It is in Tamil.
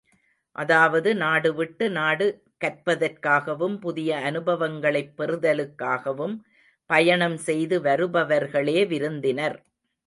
அதாவது நாடுவிட்டு நாடு, கற்பதற்காகவும் புதிய அனுபவங்களைப் பெறுதலுக்காகவும் பயணம் செய்து வருபவர்களே விருந்தினர்.